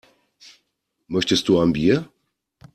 Möchtest du ein Bier?